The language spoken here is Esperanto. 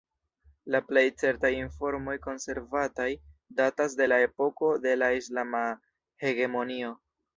La plej certaj informoj konservataj datas de la epoko de la islama hegemonio.